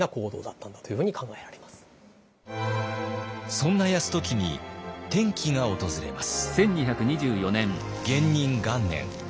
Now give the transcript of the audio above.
そんな泰時に転機が訪れます。